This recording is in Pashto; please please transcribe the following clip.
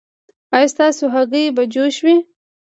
ایا ستاسو هګۍ به جوش وي؟